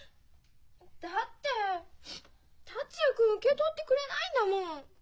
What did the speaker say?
だって達也君受け取ってくれないんだもん。